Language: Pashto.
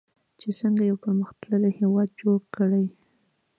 چې څنګه یو پرمختللی هیواد جوړ کړي.